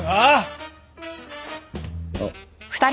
あっ。